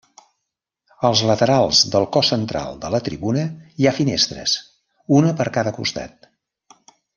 Als laterals del cos central de la tribuna hi ha finestres, una per cada costat.